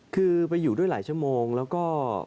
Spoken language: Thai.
คือไปอยู่ด้วยหลายชั่วโมงแล้วก็